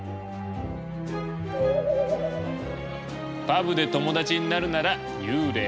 パブで友達になるなら幽霊。